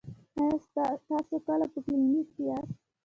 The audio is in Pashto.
ایا تاسو کله په کلینیک کې یاست؟